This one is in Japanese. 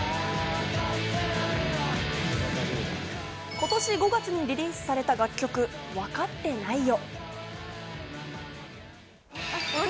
今年５月にリリースされた楽曲『分かってないよ』。